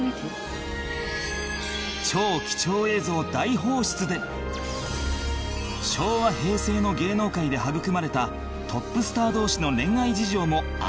超貴重映像大放出で昭和平成の芸能界で育まれたトップスター同士の恋愛事情も明らかにします